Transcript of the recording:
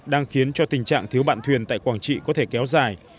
đang khiến cho tình trạng thiếu bạn thuyền tại quảng trị có thể kéo dài